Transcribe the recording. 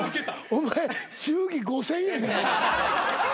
お前祝儀５，０００円な。